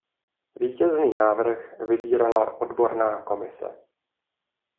Vítězný návrh vybírala odborná komise.